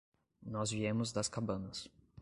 Nós viemos das cabanas.